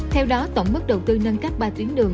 theo đó tổng mức đầu tư nâng cấp ba tuyến đường